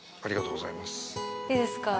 いいですか？